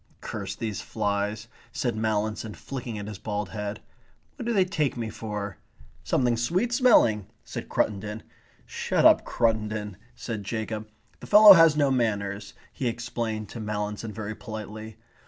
"Curse these flies," said Mallinson, flicking at his bald head. "What do they take me for?" "Something sweet smelling," said Cruttendon. "Shut up, Cruttendon," said Jacob. "The fellow has no manners," he explained to Mallinson very politely.